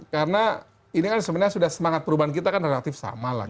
karena ini kan sebenarnya sudah semangat perubahan kita kan relatif sama lah